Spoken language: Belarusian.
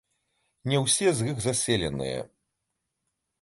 Не ўсе з іх заселеныя.